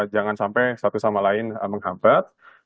jangan sampai satu sama lain menghambat